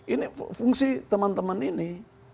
ini fungsi teman teman ini